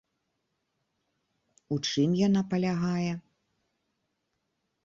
У чым яна палягае?